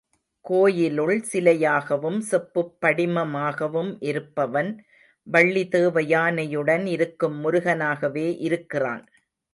கோயிலுள் சிலையாகவும் செப்புப் படிமமாகவும் இருப்பவன், வள்ளி தேவயானையுடன் இருக்கும் முருகனாகவே இருக்கிறான்.